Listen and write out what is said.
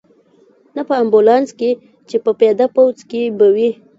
نه په امبولانس کې، چې په پیاده پوځ کې به وې.